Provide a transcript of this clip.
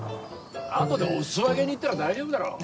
あとでお裾分けに行ったら大丈夫だろ。